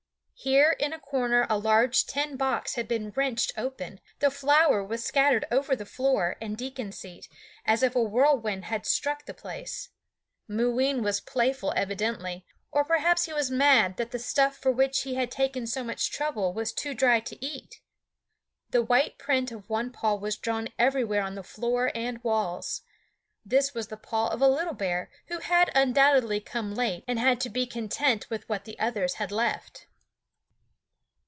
Here in a corner a large tin box had been wrenched open, and flour was scattered over the floor and deacon seat, as if a whirlwind had struck the place. Mooween was playful evidently; or perhaps he was mad that the stuff for which he had taken so much trouble was too dry to eat. The white print of one paw was drawn everywhere on the floor and walls. This was the paw of a little bear, who had undoubtedly come late, and had to be content with what the others had left.